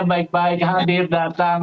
baik baik hadir datang